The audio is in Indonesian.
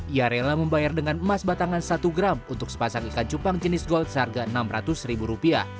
ia rela membayar dengan emas batangan satu gram untuk sepasang ikan cupang jenis gold seharga rp enam ratus